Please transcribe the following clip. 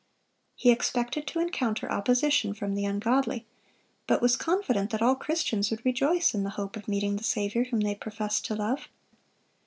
He expected to encounter opposition from the ungodly, but was confident that all Christians would rejoice in the hope of meeting the Saviour whom they professed to love.